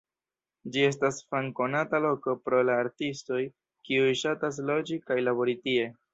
Ĝi estas famkonata loko pro la artistoj kiuj ŝatas loĝi kaj labori tie.